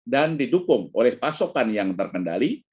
dan didukung oleh pasokan yang terkendali